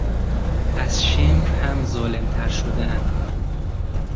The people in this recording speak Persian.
از شمر هم ظالمتر شدن